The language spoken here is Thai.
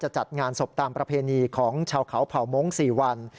จัดงานศพตามประเพณีของชาวเขาเผ่ามงค์๔วัน